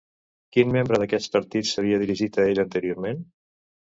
Quin membre d'aquest partit s'havia dirigit a ell anteriorment?